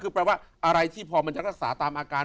คือแปลว่าอะไรที่พอมันจะรักษาตามอาการ